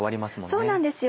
そうなんですよ。